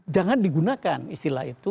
jangan digunakan istilah itu